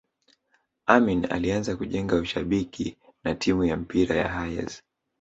Amin alianza kujenga ushabiki na timu ya mpira ya Hayes